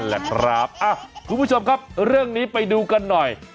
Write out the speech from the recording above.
แหละครับคุณผู้ชมครับเรื่องนี้ไปดูกันหน่อย